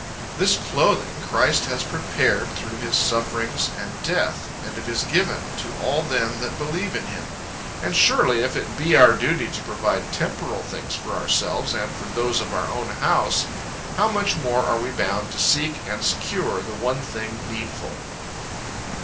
This clothing, Christ has prepared through His sufferings, and death, and it is given to all them that believe in Him. And surely, if it be our duty to provide temporal things for ourselves, and for those of our own house, how much more are we bound to seek and secure the one thing needful.